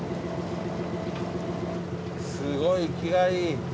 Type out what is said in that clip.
すごい生きがいい。